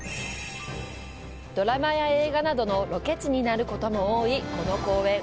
ドラマや映画などのロケ地になることも多い、この公園。